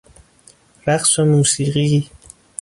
رقص و موسیقی